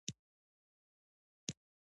افغانستان د ښتې له امله شهرت لري.